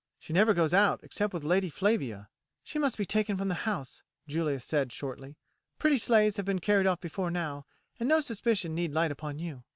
She never goes out except with Lady Flavia." "She must be taken from the house," Julia said shortly; "pretty slaves have been carried off before now, and no suspicion need light upon you.